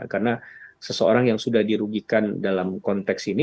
karena seseorang yang sudah dirugikan dalam konteks ini